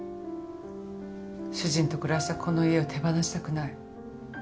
主人と暮らしたこの家を手放したくない。